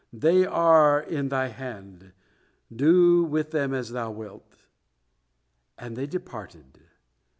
they are in Thy hand, do with them as Thou wilt.' And they departed.